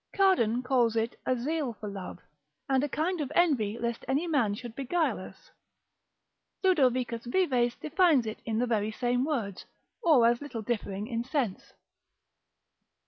Cardan calls it a zeal for love, and a kind of envy lest any man should beguile us. Ludovicus Vives defines it in the very same words, or little differing in sense.